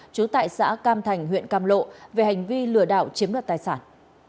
chú tại xã cam thành huyện cam lộ về hành vi lừa đảo chiếm được tài sản